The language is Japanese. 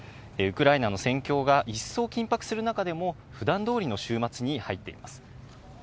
ウクライナの戦況が一層緊迫する中でも、ふだんどおりの週末に入っています。